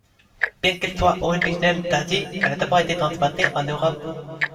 Bien qu'elle soit originaire d'Asie, elle a d'abord été transportée en Europe.